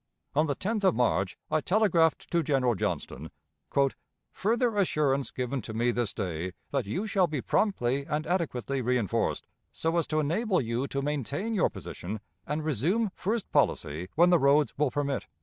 On the 10th of March I telegraphed to General Johnston: "Further assurance given to me this day that you shall be promptly and adequately reënforced, so as to enable you to maintain your position, and resume first policy when the roads will permit."